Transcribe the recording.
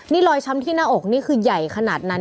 นี่รอยช้ำที่หน้าอกนี่คือใหญ่ขนาดนั้น